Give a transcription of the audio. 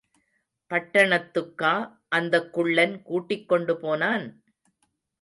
பட்டணத்துக்கா அந்தக் குள்ளன் கூட்டிக்கொண்டு போனான்?